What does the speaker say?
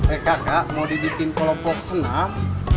eh kakak mau dibikin kolam vlog senam